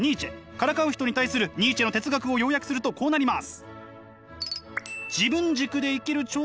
からかう人に対するニーチェの哲学を要約するとこうなります。